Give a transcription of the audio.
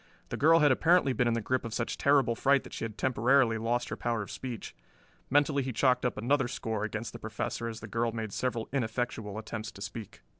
The girl had apparently been in the grip of such terrible fright that she had temporarily lost her power of speech. Mentally he chalked up another score against the Professor as the girl made several ineffectual attempts to speak.